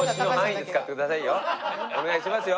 お願いしますよ